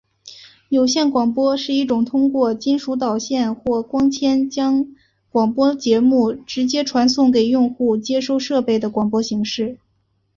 有线广播是一种通过金属导线或光纤将广播节目直接传送给用户接收设备的广播形式。